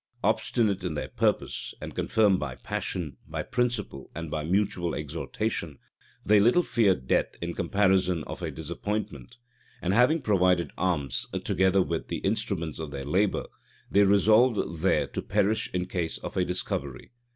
Obstinate in their purpose, and confirmed by passion, by principle, and by mutual exhortation, they little feared death in comparison of a disappointment; and having provided arms, together with the instruments of their labor, they resolved there to perish in case of a discovery.